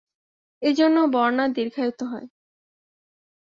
এ জন্যও বন্যা দীর্ঘায়িত হয়।